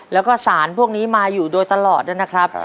แล้วก็สารพวกนี้มาอยู่โดยตลอดนะครับ